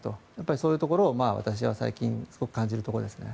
そういうところを私は最近すごく感じるところですね。